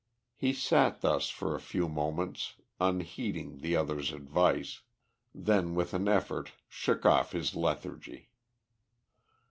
He sat thus for a few moments unheeding the other's advice, then with an effort shook off his lethargy.